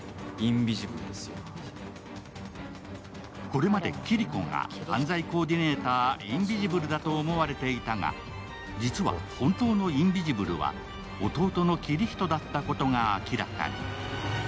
これまでキリコが犯罪コーディネーターインビジブルだと思われていたが実は本当のインビジブルは弟のキリヒトだったことが明らかに。